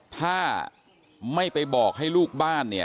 ถ้าไม่ไปบอกให้ลูกบ้านเนี่ย